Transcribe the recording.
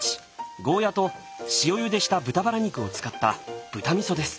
ゴーヤと塩ゆでした豚バラ肉を使った豚味噌です。